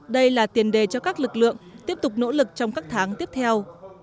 đây là tiền đề cho các lực lượng tiếp tục nỗ lực trong các tháng tiếp theo